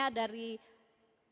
gimana menurut anda